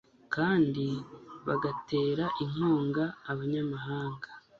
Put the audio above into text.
kandi bagatera inkunga abanyamahanga